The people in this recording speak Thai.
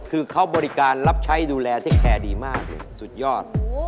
คือเขาบริการรับใช้ดูแลเทคแคร์ดีมากเลยสุดยอด